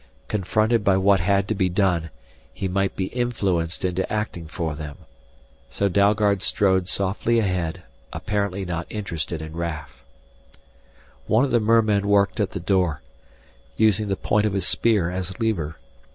Confronted by what had to be done, he might be influenced into acting for them. So Dalgard strode softly ahead, apparently not interested in Raf. One of the mermen worked at the door, using the point of his spear as a lever.